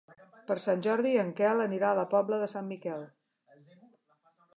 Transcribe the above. Per Sant Jordi en Quel anirà a la Pobla de Sant Miquel.